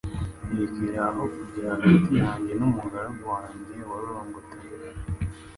Rekera aho kujya hagati yanjye n'umugaragu wanjye warorongotanye.